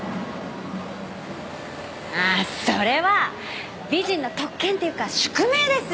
ああそれは美人の特権っていうか宿命ですよ。